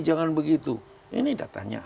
jangan begitu ini datanya